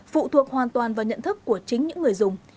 phụ thuộc hoàn toàn vào nhận thức của chính những người dùng